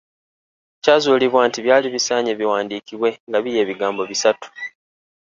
Kyazuulibwa nti byali bisaanye biwandiikibwe nga biri ebigambo bisatu.